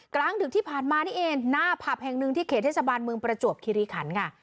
กลางดึกที่ผ่านมานี่เองหน้าผับแห่งหนึ่งที่เขตเทศบาลเมืองประจวบคิริขันค่ะ